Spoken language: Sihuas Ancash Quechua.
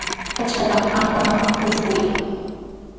Aychatami ankananpaq kuchuykan.